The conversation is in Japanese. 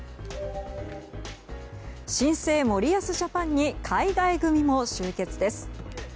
新生・森保ジャパンに海外組も集結です。